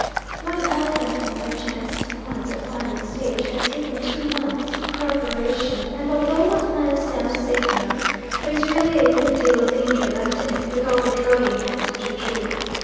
One elephant hunt I chanced upon at the final stage had taken two months' preparation, and although the plan sounds safe enough, there is really a good deal of danger left in it with all the drugging and ju ju.